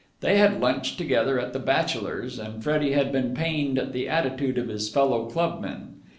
They had lunched together at the Bachelors, and Freddie had been pained at the attitude of his fellow clubmen.